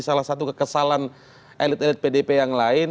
kalau tidak ada kesalahan elit elit pdp yang lain